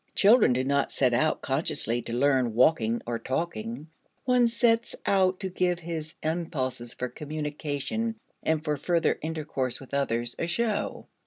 Children do not set out, consciously, to learn walking or talking. One sets out to give his impulses for communication and for fuller intercourse with others a show.